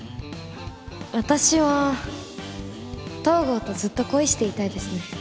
私は東郷とずっと恋していたいですね